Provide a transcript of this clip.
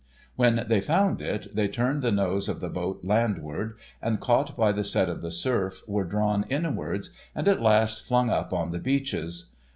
When they had found it, they turned the nose of the boat landward, and, caught by the set of the surf, were drawn inwards, and at last flung up on the beaches.